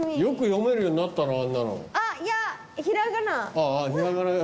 よく読めるようになったなあんなの。